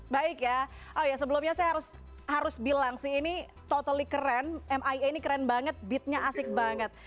baik ya oh ya sebelumnya saya harus bilang sih ini totally keren mia ini keren banget beatnya asik banget